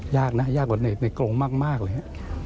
ยากนะยากกว่าในกรงมากเลยฮะ